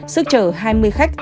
sức chở hai mươi khách